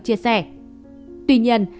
chia sẻ tuy nhiên